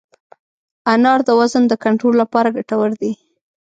انار د وزن د کنټرول لپاره ګټور دی.